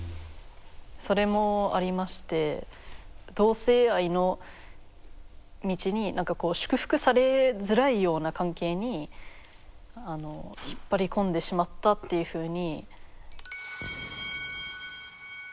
それもありまして同性愛の道に何かこう祝福されづらいような関係にひっぱり込んでしまったっていうふうに。